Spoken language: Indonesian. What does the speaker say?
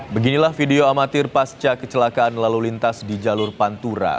beginilah video amatir pasca kecelakaan lalu lintas di jalur pantura